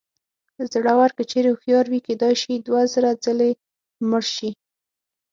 زړور که چېرې هوښیار وي کېدای شي دوه زره ځلې مړ شي.